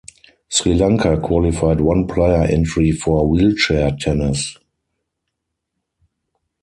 Sri Lanka qualified one player entry for wheelchair tennis.